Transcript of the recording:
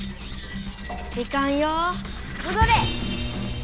時間よもどれ！